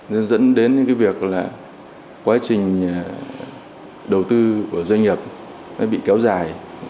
nó dẫn đến những cái việc là quá trình đầu tư của doanh nghiệp nó bị kéo dài